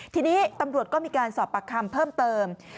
ทีนี้ตำรวจก็มีการสอบปากคำเพิ่มเติม